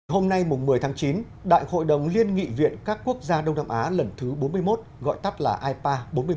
hôm nay một mươi tháng chín đại hội đồng liên nghị viện các quốc gia đông nam á lần thứ bốn mươi một gọi tắt là ipa bốn mươi một